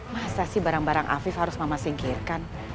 masa sih barang barang afif harus mama singkirkan